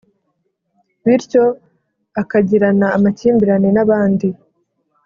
bityo akagirana amakimbirane nabandi